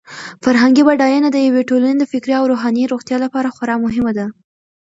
فرهنګي بډاینه د یوې ټولنې د فکري او روحاني روغتیا لپاره خورا مهمه ده.